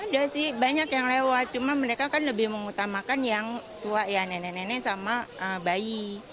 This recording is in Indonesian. ada sih banyak yang lewat cuma mereka kan lebih mengutamakan yang tua ya nenek nenek sama bayi